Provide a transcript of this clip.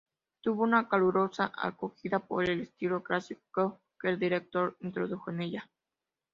Tuvo una calurosa acogida, por el estilo clásico que el director introdujo en ella.